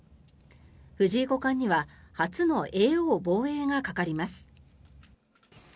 藤井五冠には初の叡王防衛がかかります。